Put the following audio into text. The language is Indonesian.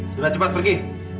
sudah cepat pergi